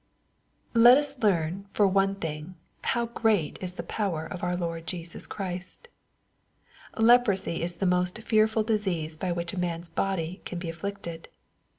Let us learn, for one thing, how great is the power of our Lord Jesus Christ. Leprosy is the most fearful disease by which man's body can be afflicted.